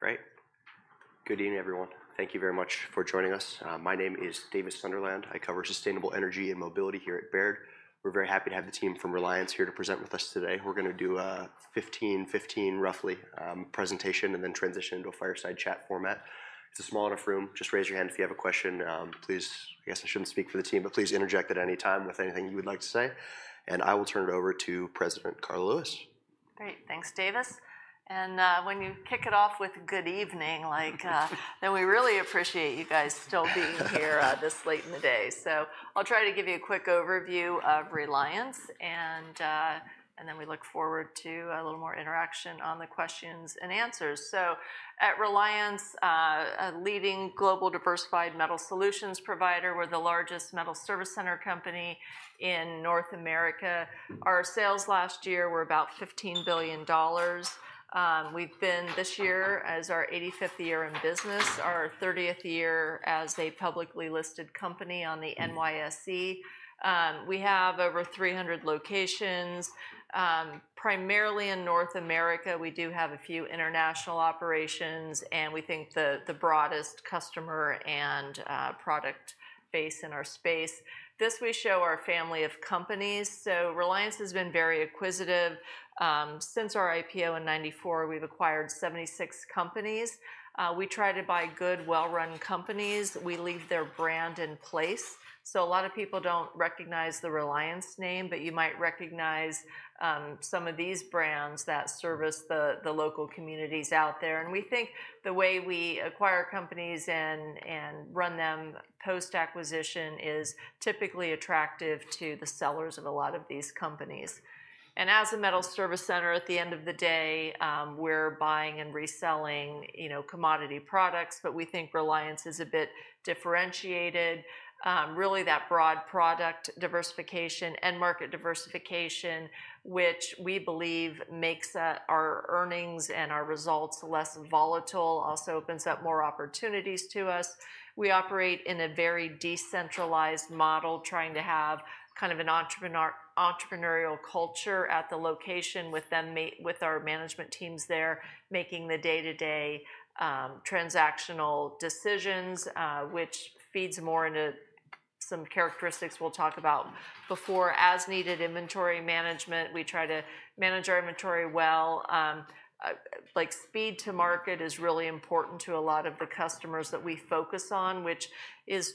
Great. Good evening, everyone. Thank you very much for joining us. My name is Davis Sunderland. I cover sustainable energy and mobility here at Baird. We're very happy to have the team from Reliance here to present with us today. We're going to do a 15-15, roughly, presentation and then transition into a fireside chat format. It's a small enough room. Just raise your hand if you have a question. Please, I guess I shouldn't speak for the team, but please interject at any time with anything you would like to say. I will turn it over to President Karla Lewis. Great. Thanks, Davis. And when you kick it off with "Good evening," then we really appreciate you guys still being here this late in the day. So I'll try to give you a quick overview of Reliance, and then we look forward to a little more interaction on the questions and answers. So at Reliance, a leading global diversified metal solutions provider, we're the largest metal service center company in North America. Our sales last year were about $15 billion. We've been this year as our 85th year in business, our 30th year as a publicly listed company on the NYSE. We have over 300 locations, primarily in North America. We do have a few international operations, and we think the broadest customer and product base in our space. This, we show our family of companies. So Reliance has been very acquisitive. Since our IPO in 1994, we've acquired 76 companies. We try to buy good, well-run companies. We leave their brand in place. So a lot of people don't recognize the Reliance name, but you might recognize some of these brands that service the local communities out there. And we think the way we acquire companies and run them post-acquisition is typically attractive to the sellers of a lot of these companies. And as a metal service center, at the end of the day, we're buying and reselling commodity products, but we think Reliance is a bit differentiated. Really, that broad product diversification and market diversification, which we believe makes our earnings and our results less volatile, also opens up more opportunities to us. We operate in a very decentralized model, trying to have kind of an entrepreneurial culture at the location with our management teams there making the day-to-day transactional decisions, which feeds more into some characteristics we'll talk about before. As needed inventory management, we try to manage our inventory well. Speed to market is really important to a lot of the customers that we focus on, which is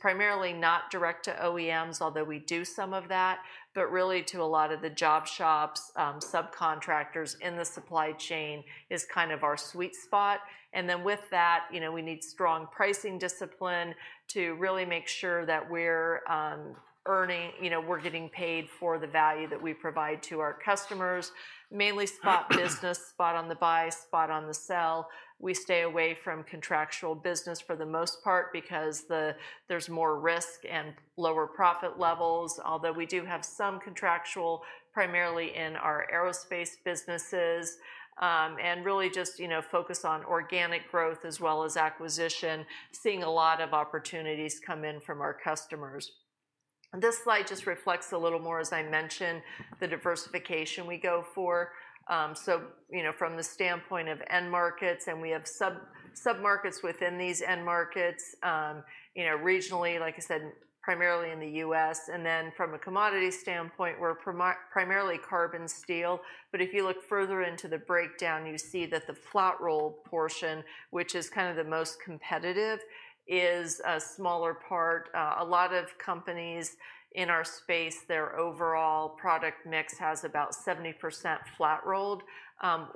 primarily not direct to OEMs, although we do some of that, but really to a lot of the job shops, subcontractors in the supply chain is kind of our sweet spot. And then with that, we need strong pricing discipline to really make sure that we're getting paid for the value that we provide to our customers. Mainly spot business, spot on the buy, spot on the sell. We stay away from contractual business for the most part because there's more risk and lower profit levels, although we do have some contractual primarily in our aerospace businesses, and really just focus on organic growth as well as acquisition, seeing a lot of opportunities come in from our customers. This slide just reflects a little more, as I mentioned, the diversification we go for, so from the standpoint of end markets, and we have sub-markets within these end markets, regionally, like I said, primarily in the U.S., and then from a commodity standpoint, we're primarily carbon steel, but if you look further into the breakdown, you see that the flat roll portion, which is kind of the most competitive, is a smaller part. A lot of companies in our space, their overall product mix has about 70% flat rolled.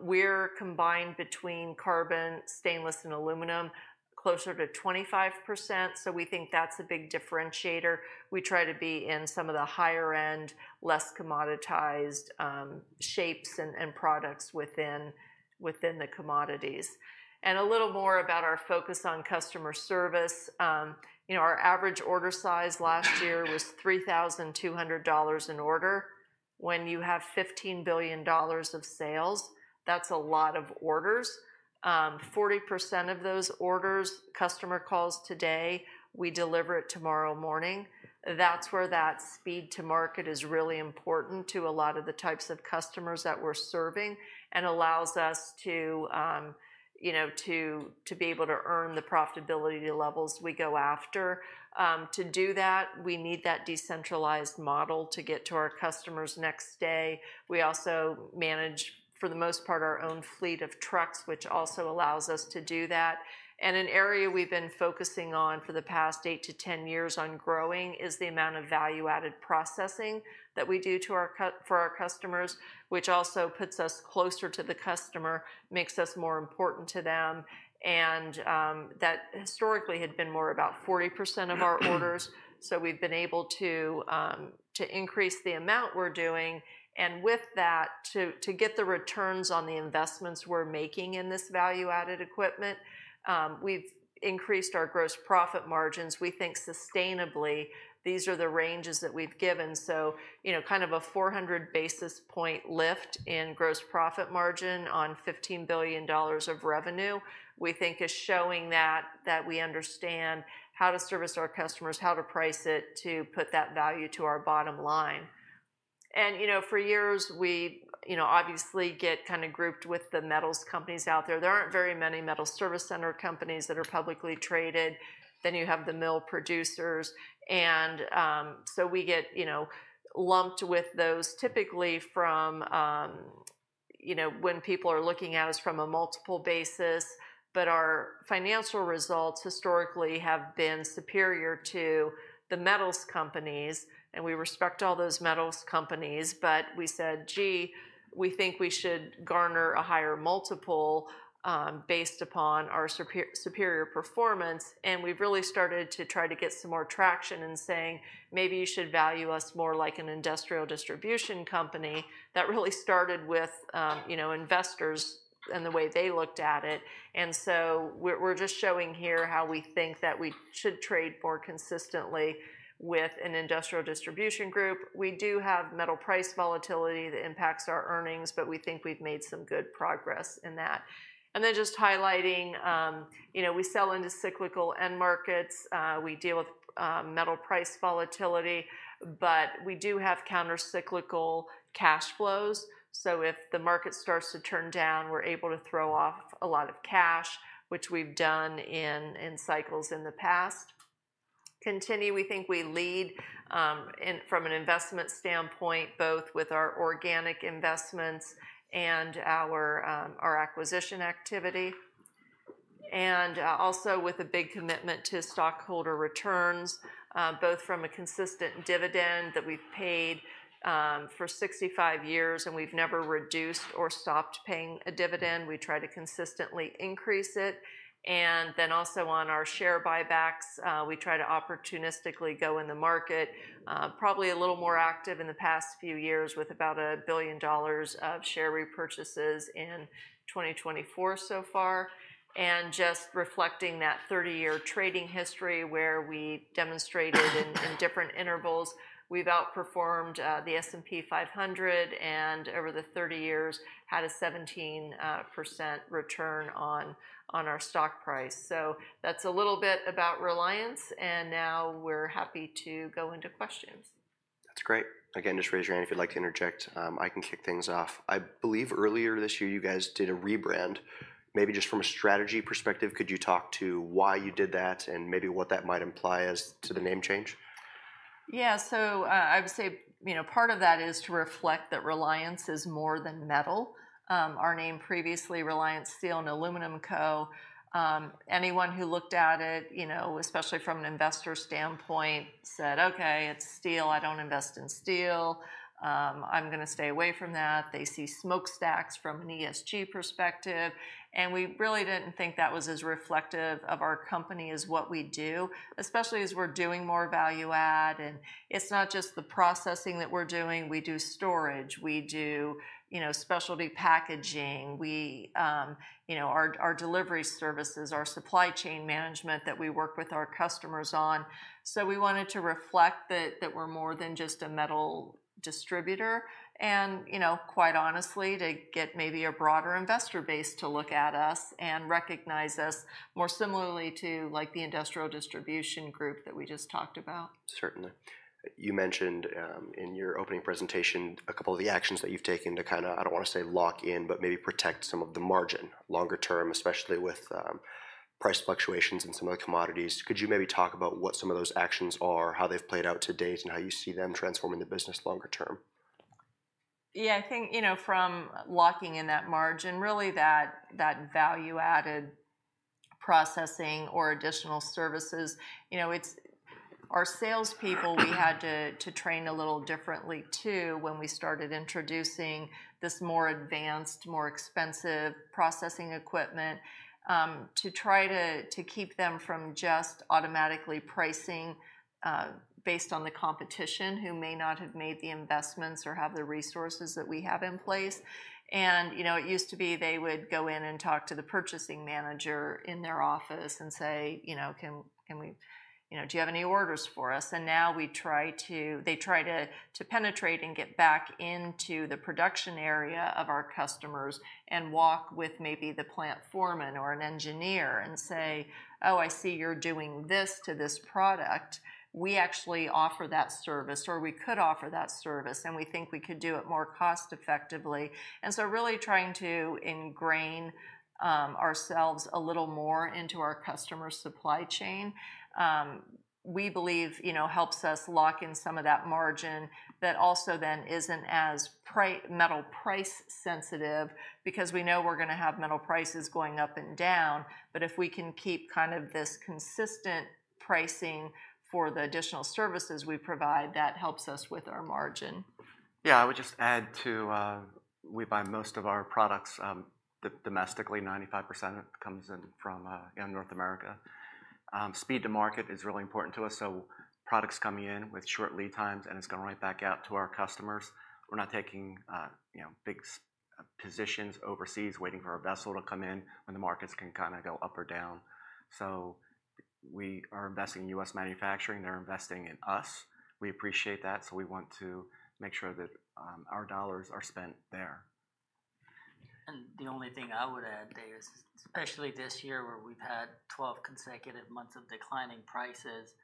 We're combined between carbon, stainless, and aluminum, closer to 25%. So we think that's a big differentiator. We try to be in some of the higher-end, less commoditized shapes and products within the commodities. And a little more about our focus on customer service. Our average order size last year was $3,200 an order. When you have $15 billion of sales, that's a lot of orders. 40% of those orders, customer calls today, we deliver it tomorrow morning. That's where that speed to market is really important to a lot of the types of customers that we're serving and allows us to be able to earn the profitability levels we go after. To do that, we need that decentralized model to get to our customers next day. We also manage, for the most part, our own fleet of trucks, which also allows us to do that. And an area we've been focusing on for the past eight to 10 years on growing is the amount of value-added processing that we do for our customers, which also puts us closer to the customer, makes us more important to them. And that historically had been more about 40% of our orders. So we've been able to increase the amount we're doing. And with that, to get the returns on the investments we're making in this value-added equipment, we've increased our gross profit margins. We think sustainably, these are the ranges that we've given. So kind of a 400 basis point lift in gross profit margin on $15 billion of revenue, we think is showing that we understand how to service our customers, how to price it to put that value to our bottom line. For years, we obviously get kind of grouped with the metals companies out there. There aren't very many metal service center companies that are publicly traded. You have the mill producers. We get lumped with those typically from when people are looking at us from a multiple basis. Our financial results historically have been superior to the metals companies. We respect all those metals companies, but we said, "Gee, we think we should garner a higher multiple based upon our superior performance." We've really started to try to get some more traction in saying, "Maybe you should value us more like an industrial distribution company." That really started with investors and the way they looked at it. We're just showing here how we think that we should trade more consistently with an industrial distribution group. We do have metal price volatility that impacts our earnings, but we think we've made some good progress in that, and then just highlighting, we sell into cyclical end markets. We deal with metal price volatility, but we do have countercyclical cash flows, so if the market starts to turn down, we're able to throw off a lot of cash, which we've done in cycles in the past. Continue, we think we lead from an investment standpoint, both with our organic investments and our acquisition activity and also with a big commitment to stockholder returns, both from a consistent dividend that we've paid for 65 years, and we've never reduced or stopped paying a dividend. We try to consistently increase it. And then also on our share buybacks, we try to opportunistically go in the market, probably a little more active in the past few years with about $1 billion of share repurchases in 2024 so far. And just reflecting that 30-year trading history where we demonstrated in different intervals, we've outperformed the S&P 500 and over the 30 years had a 17% return on our stock price. So that's a little bit about Reliance. And now we're happy to go into questions. That's great. Again, just raise your hand if you'd like to interject. I can kick things off. I believe earlier this year you guys did a rebrand. Maybe just from a strategy perspective, could you talk to why you did that and maybe what that might imply as to the name change? Yeah, so I would say part of that is to reflect that Reliance is more than metal. Our name previously, Reliance Steel & Aluminum Co. Anyone who looked at it, especially from an investor standpoint, said, "Okay, it's steel. I don't invest in steel. I'm going to stay away from that." They see smokestacks from an ESG perspective, and we really didn't think that was as reflective of our company as what we do, especially as we're doing more value-add, and it's not just the processing that we're doing. We do storage. We do specialty packaging. Our delivery services, our supply chain management that we work with our customers on, so we wanted to reflect that we're more than just a metal distributor. Quite honestly, to get maybe a broader investor base to look at us and recognize us more similarly to the industrial distribution group that we just talked about. Certainly. You mentioned in your opening presentation a couple of the actions that you've taken to kind of, I don't want to say lock in, but maybe protect some of the margin longer term, especially with price fluctuations in some of the commodities. Could you maybe talk about what some of those actions are, how they've played out to date, and how you see them transforming the business longer-term? Yeah. I think from locking in that margin, really that value-added processing or additional services. Our salespeople, we had to train a little differently too when we started introducing this more advanced, more expensive processing equipment to try to keep them from just automatically pricing based on the competition who may not have made the investments or have the resources that we have in place. And it used to be they would go in and talk to the purchasing manager in their office and say, "Do you have any orders for us?" And now they try to penetrate and get back into the production area of our customers and walk with maybe the plant foreman or an engineer and say, "Oh, I see you're doing this to this product. We actually offer that service or we could offer that service, and we think we could do it more cost-effectively," and so really trying to ingrain ourselves a little more into our customer supply chain. We believe helps us lock in some of that margin that also then isn't as metal price sensitive because we know we're going to have metal prices going up and down, but if we can keep kind of this consistent pricing for the additional services we provide, that helps us with our margin. Yeah. I would just add too, we buy most of our products domestically. 95% comes in from North America. Speed to market is really important to us. So products come in with short lead times, and it's going right back out to our customers. We're not taking big positions overseas waiting for a vessel to come in when the markets can kind of go up or down. So we are investing in U.S. manufacturing. They're investing in us. We appreciate that. So we want to make sure that our dollars are spent there. And the only thing I would add there is, especially this year where we've had 12 consecutive months of declining prices,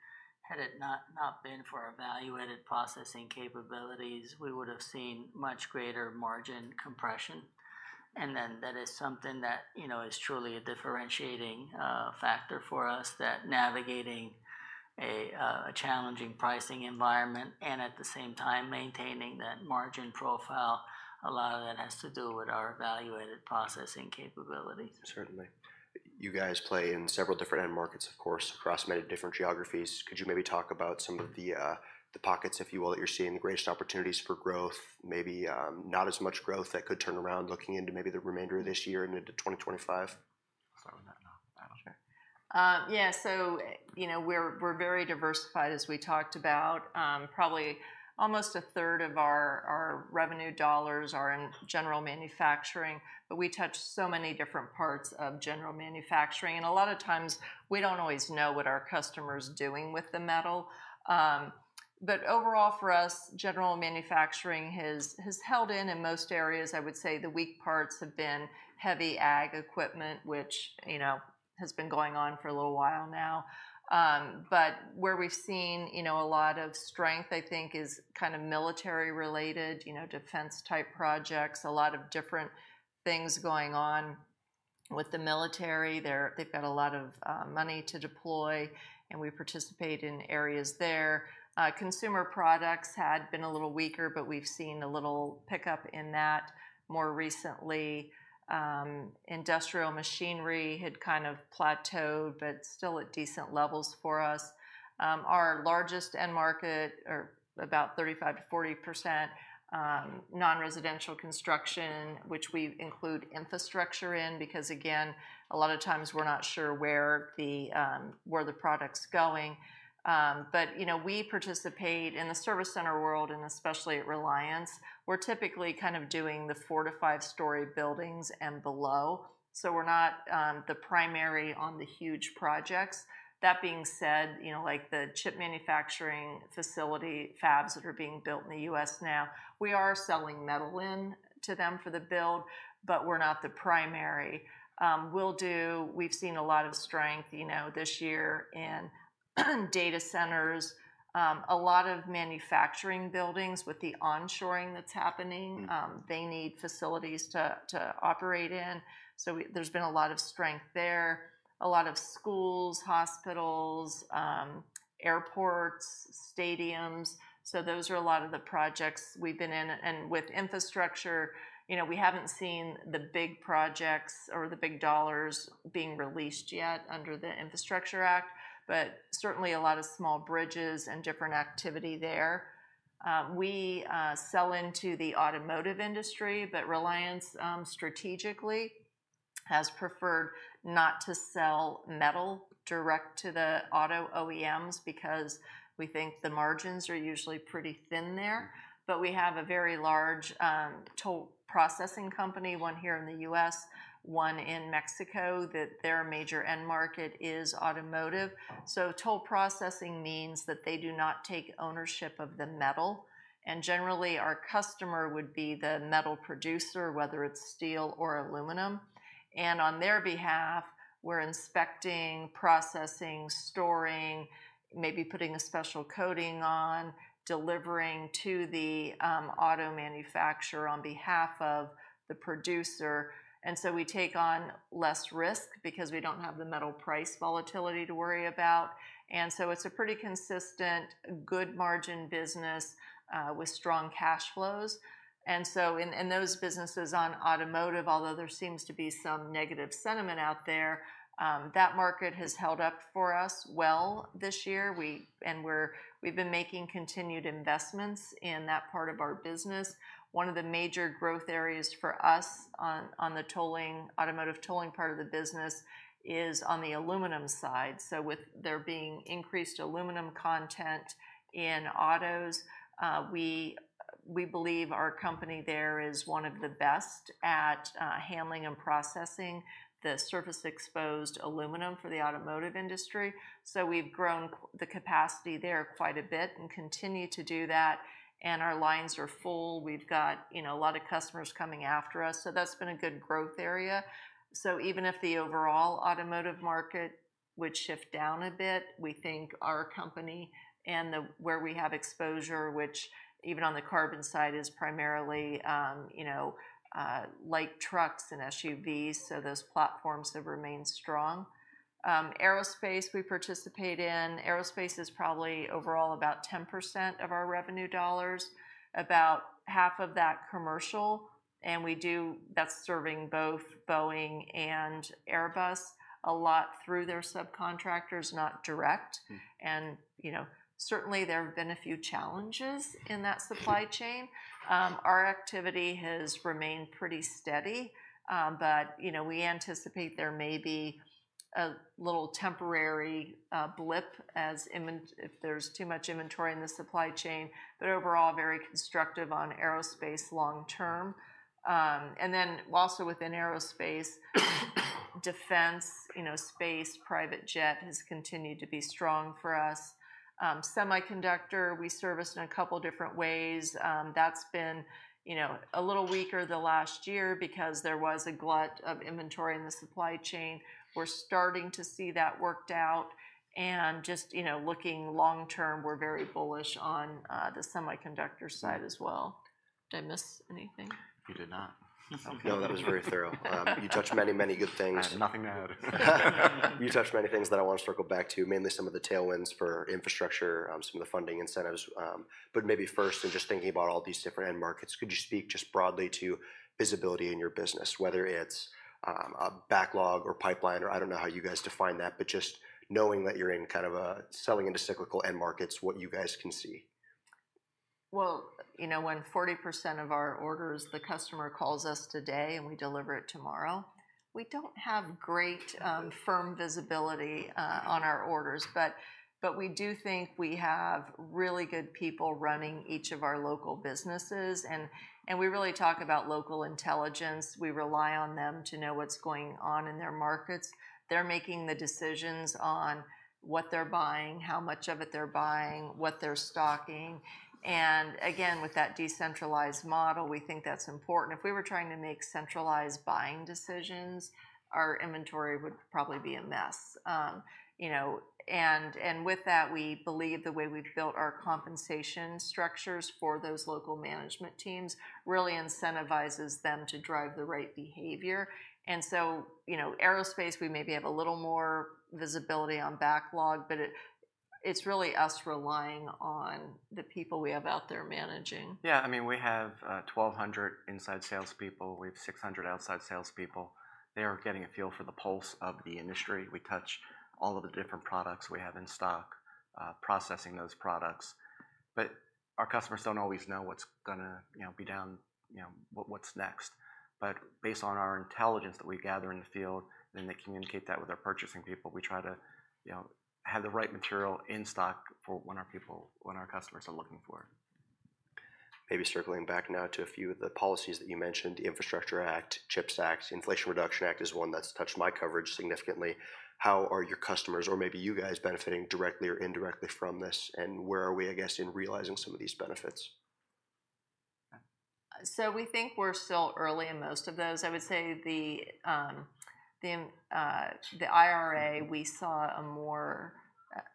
had it not been for value-added processing capabilities, we would have seen much greater margin compression. And then that is something that is truly a differentiating factor for us, that navigating a challenging pricing environment and at the same time maintaining that margin profile, a lot of that has to do with our value-added processing capabilities. Certainly. You guys play in several different end markets, of course, across many different geographies. Could you maybe talk about some of the pockets, if you will, that you're seeing the greatest opportunities for growth, maybe not as much growth that could turn around looking into maybe the remainder of this year into 2025? Yeah. So we're very diversified, as we talked about. Probably almost a third of our revenue dollars are in general manufacturing. But we touch so many different parts of general manufacturing. And a lot of times we don't always know what our customer's doing with the metal. But overall for us, general manufacturing has held in most areas. I would say the weak parts have been heavy ag equipment, which has been going on for a little while now. But where we've seen a lot of strength, I think, is kind of military-related, defense-type projects, a lot of different things going on with the military. They've got a lot of money to deploy, and we participate in areas there. Consumer products had been a little weaker, but we've seen a little pickup in that more recently. Industrial machinery had kind of plateaued, but still at decent levels for us. Our largest end market, or about 35%-40%, non-residential construction, which we include infrastructure in because, again, a lot of times we're not sure where the product's going. But we participate in the service center world, and especially at Reliance, we're typically kind of doing the four- to five-story buildings and below. So we're not the primary on the huge projects. That being said, like the chip manufacturing facility, fabs that are being built in the U.S. now, we are selling metal in to them for the build, but we're not the primary. We've seen a lot of strength this year in data centers, a lot of manufacturing buildings with the onshoring that's happening. They need facilities to operate in. So there's been a lot of strength there. A lot of schools, hospitals, airports, stadiums. So those are a lot of the projects we've been in. And with infrastructure, we haven't seen the big projects or the big dollars being released yet under the Infrastructure Act, but certainly a lot of small bridges and different activity there. We sell into the automotive industry, but Reliance strategically has preferred not to sell metal direct to the auto OEMs because we think the margins are usually pretty thin there. But we have a very large toll processing company, one here in the U.S., one in Mexico, that their major end market is automotive. So toll processing means that they do not take ownership of the metal. And generally, our customer would be the metal producer, whether it's steel or aluminum. And on their behalf, we're inspecting, processing, storing, maybe putting a special coating on, delivering to the auto manufacturer on behalf of the producer. And so we take on less risk because we don't have the metal price volatility to worry about. And so it's a pretty consistent, good margin business with strong cash flows. And so in those businesses on automotive, although there seems to be some negative sentiment out there, that market has held up for us well this year. And we've been making continued investments in that part of our business. One of the major growth areas for us on the automotive tolling part of the business is on the aluminum side. So with there being increased aluminum content in autos, we believe our company there is one of the best at handling and processing the surface-exposed aluminum for the automotive industry. So we've grown the capacity there quite a bit and continue to do that. And our lines are full. We've got a lot of customers coming after us. So that's been a good growth area. So even if the overall automotive market would shift down a bit, we think our company and where we have exposure, which even on the carbon side is primarily light trucks and SUVs, so those platforms have remained strong. Aerospace we participate in. Aerospace is probably overall about 10% of our revenue dollars, about half of that commercial. And that's serving both Boeing and Airbus a lot through their subcontractors, not direct. And certainly, there have been a few challenges in that supply chain. Our activity has remained pretty steady, but we anticipate there may be a little temporary blip if there's too much inventory in the supply chain. But overall, very constructive on aerospace long-term. And then also within aerospace, defense, space, private jet has continued to be strong for us. Semiconductor, we service in a couple of different ways. That's been a little weaker the last year because there was a glut of inventory in the supply chain. We're starting to see that worked out. And just looking long-term, we're very bullish on the semiconductor side as well. Did I miss anything? You did not. No, that was very thorough. You touched many, many good things. Nothing bad. You touched many things that I want to circle back to, mainly some of the tailwinds for infrastructure, some of the funding incentives. But maybe first, in just thinking about all these different end markets, could you speak just broadly to visibility in your business, whether it's a backlog or pipeline, or I don't know how you guys define that, but just knowing that you're in kind of a selling into cyclical end markets, what you guys can see? When 40% of our orders, the customer calls us today and we deliver it tomorrow, we don't have great firm visibility on our orders, but we do think we have really good people running each of our local businesses, and we really talk about local intelligence. We rely on them to know what's going on in their markets. They're making the decisions on what they're buying, how much of it they're buying, what they're stocking, and again, with that decentralized model, we think that's important. If we were trying to make centralized buying decisions, our inventory would probably be a mess, and with that, we believe the way we've built our compensation structures for those local management teams really incentivizes them to drive the right behavior. And so aerospace, we maybe have a little more visibility on backlog, but it's really us relying on the people we have out there managing. Yeah. I mean, we have 1,200 inside salespeople. We have 600 outside salespeople. They are getting a feel for the pulse of the industry. We touch all of the different products we have in stock, processing those products. But our customers don't always know what's going to be down, what's next. But based on our intelligence that we gather in the field, then they communicate that with our purchasing people. We try to have the right material in stock for what our customers are looking for. Maybe circling back now to a few of the policies that you mentioned, the Infrastructure Act, CHIPS Act, Inflation Reduction Act is one that's touched my coverage significantly. How are your customers, or maybe you guys, benefiting directly or indirectly from this? And where are we, I guess, in realizing some of these benefits? So we think we're still early in most of those. I would say the IRA. We saw a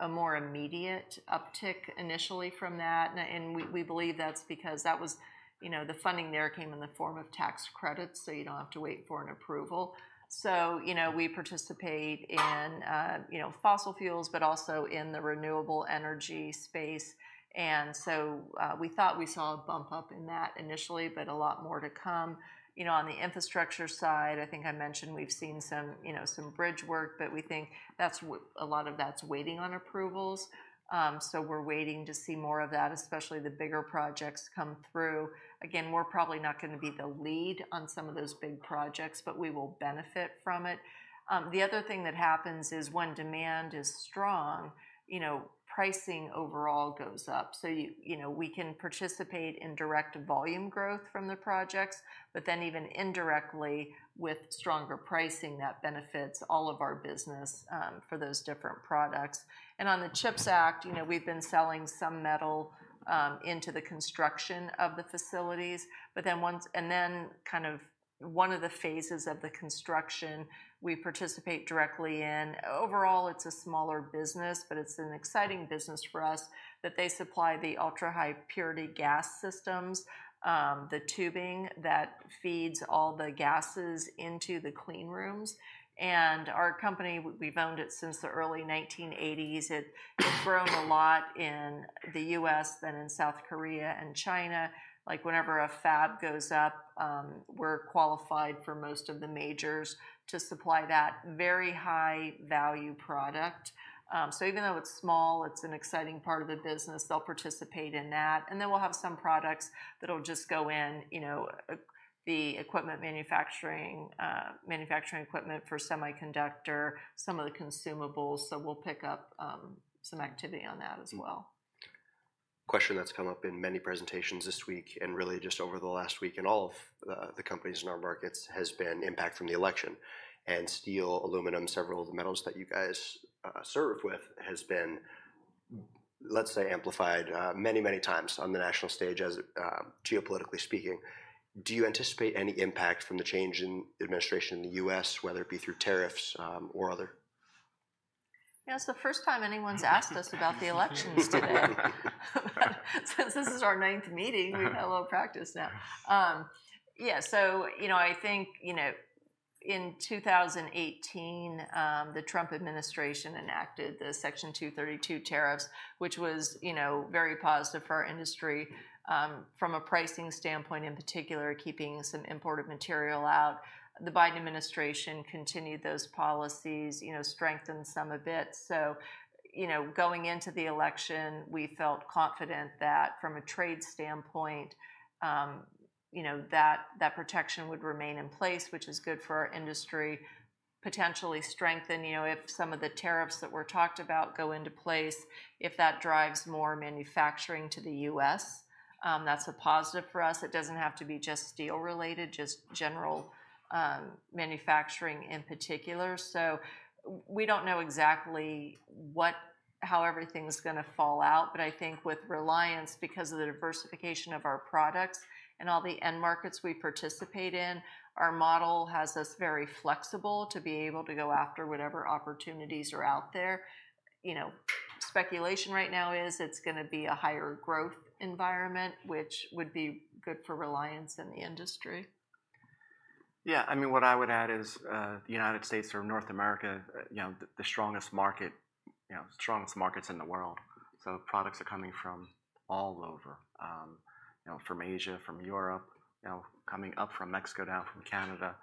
more immediate uptick initially from that. And we believe that's because the funding there came in the form of tax credits, so you don't have to wait for an approval. So we participate in fossil fuels, but also in the renewable energy space. And so we thought we saw a bump up in that initially, but a lot more to come. On the infrastructure side, I think I mentioned we've seen some bridge work, but we think a lot of that's waiting on approvals. So we're waiting to see more of that, especially the bigger projects come through. Again, we're probably not going to be the lead on some of those big projects, but we will benefit from it. The other thing that happens is when demand is strong, pricing overall goes up, so we can participate in direct volume growth from the projects, but then even indirectly with stronger pricing, that benefits all of our business for those different products, and on the CHIPS Act, we've been selling some metal into the construction of the facilities, and then kind of one of the phases of the construction we participate directly in. Overall, it's a smaller business, but it's an exciting business for us that they supply the ultra-high purity gas systems, the tubing that feeds all the gases into the clean rooms, and our company, we've owned it since the early 1980s. It's grown a lot in the U.S., then in South Korea and China. Whenever a fab goes up, we're qualified for most of the majors to supply that very high-value product. Even though it's small, it's an exciting part of the business. They'll participate in that. We'll have some products that'll just go in the equipment manufacturing, manufacturing equipment for semiconductor, some of the consumables. We'll pick up some activity on that as well. Question that's come up in many presentations this week and really just over the last week in all of the companies in our markets has been impact from the election, and steel, aluminum, several of the metals that you guys serve with has been, let's say, amplified many, many times on the national stage as geopolitically speaking. Do you anticipate any impact from the change in administration in the U.S., whether it be through tariffs or other? Yeah, it's the first time anyone's asked us about the elections today. Since this is our ninth meeting, we've had a little practice now. Yeah, so I think in 2018, the Trump administration enacted the Section 232 tariffs, which was very positive for our industry from a pricing standpoint, in particular, keeping some imported material out. The Biden administration continued those policies, strengthened some of it. So going into the election, we felt confident that from a trade standpoint, that protection would remain in place, which is good for our industry. Potentially strengthen if some of the tariffs that were talked about go into place, if that drives more manufacturing to the U.S., that's a positive for us. It doesn't have to be just steel related, just general manufacturing in particular. So we don't know exactly how everything's going to fall out, but I think with Reliance, because of the diversification of our products and all the end markets we participate in, our model has us very flexible to be able to go after whatever opportunities are out there. Speculation right now is it's going to be a higher growth environment, which would be good for Reliance and the industry. Yeah. I mean, what I would add is the United States or North America, the strongest market, strongest markets in the world. So products are coming from all over, from Asia, from Europe, coming up from Mexico, down from Canada.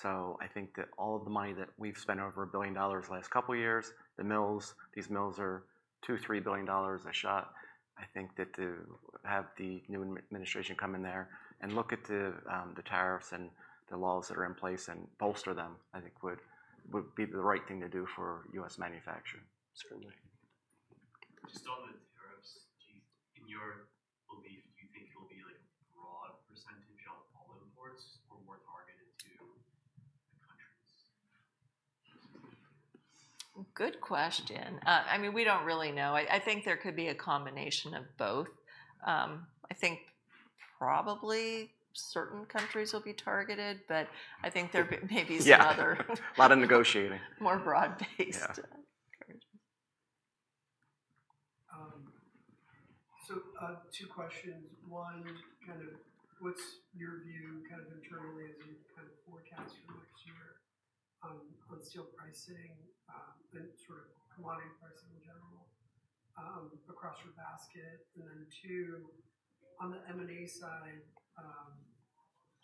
So I think that all of the money that we've spent over $1 billion the last couple of years, the mills, these mills are $2 billion-$3 billion a shot. I think that to have the new administration come in there and look at the tariffs and the laws that are in place and bolster them, I think would be the right thing to do for U.S. manufacturing. Just on the tariffs, in your belief, do you think it'll be a broad percentage of all imports or more targeted to the countries? Good question. I mean, we don't really know. I think there could be a combination of both. I think probably certain countries will be targeted, but I think there may be some other. Yeah, a lot of negotiating. More broad-based. So two questions. One, kind of what's your view kind of internally as you kind of forecast for next year on steel pricing and sort of commodity pricing in general across your basket? And then two, on the M&A side,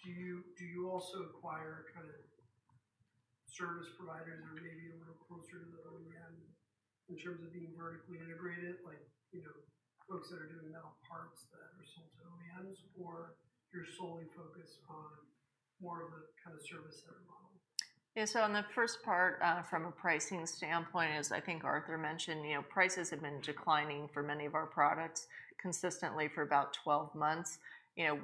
do you also acquire kind of service providers or maybe a little closer to the OEM in terms of being vertically integrated, like folks that are doing metal parts that are sold to OEMs, or you're solely focused on more of the kind of service center model? Yeah. So on the first part, from a pricing standpoint, as I think Arthur mentioned, prices have been declining for many of our products consistently for about 12 months.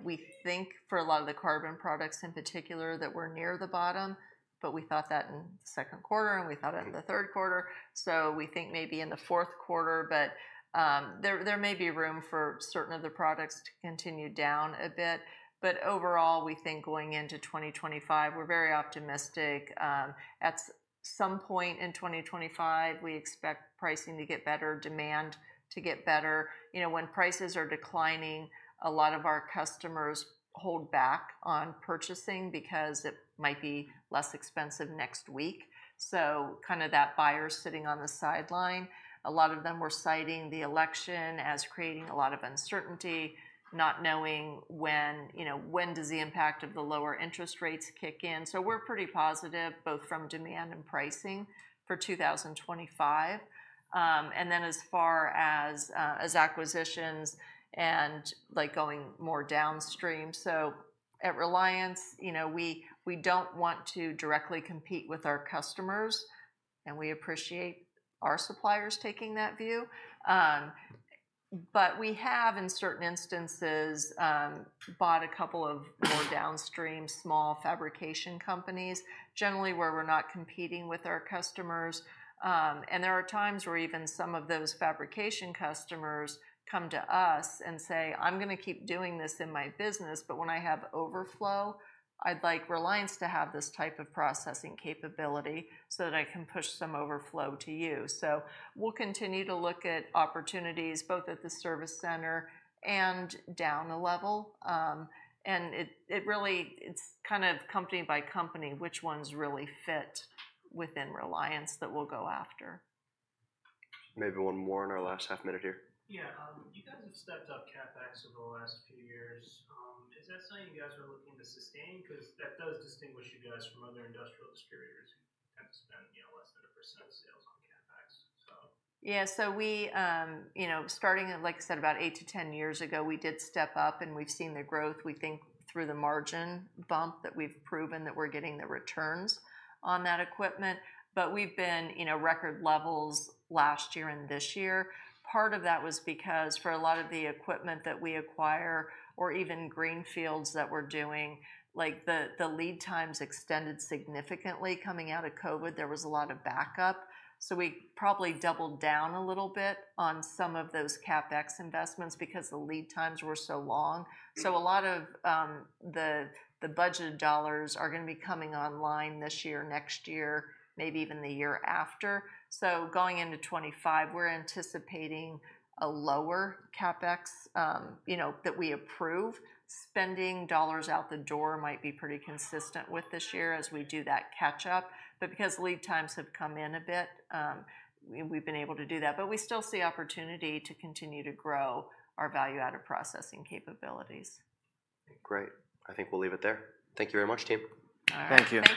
We think for a lot of the carbon products in particular that we're near the bottom, but we thought that in the second quarter and we thought that in the third quarter. So we think maybe in the fourth quarter, but there may be room for certain of the products to continue down a bit. But overall, we think going into 2025, we're very optimistic. At some point in 2025, we expect pricing to get better, demand to get better. When prices are declining, a lot of our customers hold back on purchasing because it might be less expensive next week. So kind of that buyer sitting on the sideline. A lot of them were citing the election as creating a lot of uncertainty, not knowing when does the impact of the lower interest rates kick in. So we're pretty positive both from demand and pricing for 2025. And then as far as acquisitions and going more downstream. So at Reliance, we don't want to directly compete with our customers, and we appreciate our suppliers taking that view. But we have, in certain instances, bought a couple of more downstream small fabrication companies, generally where we're not competing with our customers. There are times where even some of those fabrication customers come to us and say, "I'm going to keep doing this in my business, but when I have overflow, I'd like Reliance to have this type of processing capability so that I can push some overflow to you." We'll continue to look at opportunities both at the service center and down a level. It really is kind of company by company which ones really fit within Reliance that we'll go after. Maybe one more in our last half minute here. Yeah. You guys have stepped up CapEx over the last few years. Is that something you guys are looking to sustain? Because that does distinguish you guys from other industrial distributors who tend to spend less than 1% of sales on CapEx, so. Yeah. So, starting, like I said, about eight to 10 years ago, we did step up, and we've seen the growth, we think, through the margin bump that we've proven that we're getting the returns on that equipment. But we've been record levels last year and this year. Part of that was because for a lot of the equipment that we acquire or even greenfields that we're doing, the lead times extended significantly coming out of COVID. There was a lot of backlog. So we probably doubled down a little bit on some of those CapEx investments because the lead times were so long. So a lot of the budgeted dollars are going to be coming online this year, next year, maybe even the year after. So going into 2025, we're anticipating a lower CapEx that we approve. Spending dollars out the door might be pretty consistent with this year as we do that catch-up. But because lead times have come in a bit, we've been able to do that. But we still see opportunity to continue to grow our value-added processing capabilities. Great. I think we'll leave it there. Thank you very much, team. All right. Thank you.